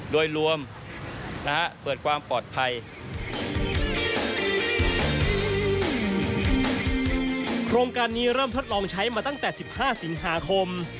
โครงการนี้เริ่มทดลองใช้มาตั้งแต่๑๕สิงหาคม